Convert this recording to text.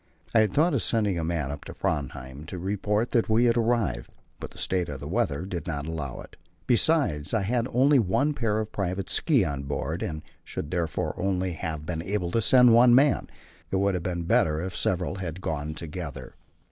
I had thought of sending a man up to Framheim to report that we had arrived, but the state of the weather did not allow it. Besides, I had only one pair of private ski on board and should therefore only have been able to send one man. It would have been better if several had gone together.